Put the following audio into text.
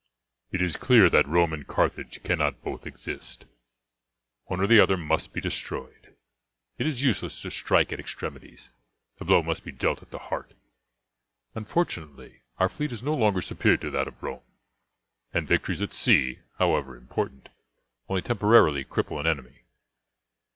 It is clear that Rome and Carthage cannot both exist one or the other must be destroyed. It is useless to strike at extremities, the blow must be dealt at the heart. Unfortunately our fleet is no longer superior to that of Rome, and victories at sea, however important, only temporarily cripple an enemy.